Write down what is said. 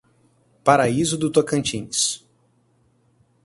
Paraíso do Tocantins